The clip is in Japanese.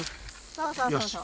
そうそうそうそう。